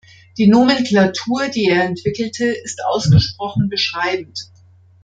Die Nomenklatur, die er entwickelte, ist ausgesprochen beschreibend.